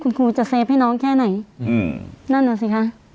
คุณครูจะเฟฟให้น้องแค่ไหนอืมนั่นน่ะสิคะ